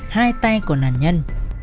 hai tay của nạn nhân